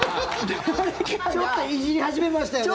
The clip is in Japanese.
ちょっといじり始めましたよね。